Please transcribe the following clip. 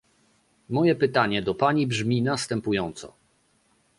Moje pytanie do pani brzmi następująco